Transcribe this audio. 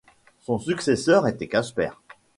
Son successeur était Casper.